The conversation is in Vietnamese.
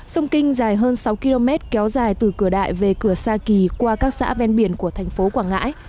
sông kinh dài hơn sáu km kéo dài từ cửa đại về cửa sa kỳ qua các xã ven biển của thành phố quảng ngãi